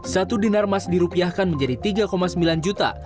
satu dinar emas dirupiahkan menjadi rp tiga sembilan juta